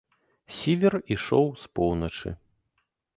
Сівер ішоў з поўначы.